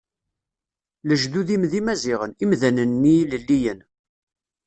Lejdud-im d Imaziɣen, imdanen-nni ilelliyen.